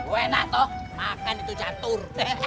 weh nah toh makan itu catur